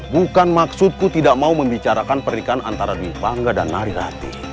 bukan maksudku tidak mau membicarakan pernikahan antara dewi bangga dan nari rati